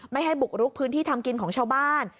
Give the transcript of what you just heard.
ไม่ให้บุกรุกพื้นที่ทำกินของชาวบ้าน